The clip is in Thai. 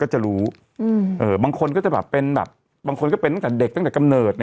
จะรู้บางคนก็จะแบบเป็นแบบบางคนก็เป็นตั้งแต่เด็กตั้งแต่กำเนิด